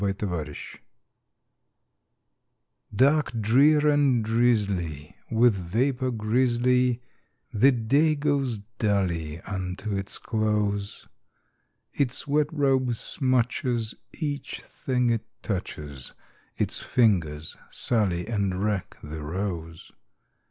A WET DAY Dark, drear, and drizzly, with vapor grizzly, The day goes dully unto its close; Its wet robe smutches each thing it touches, Its fingers sully and wreck the rose.